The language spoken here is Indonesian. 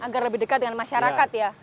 agar lebih dekat dengan masyarakat ya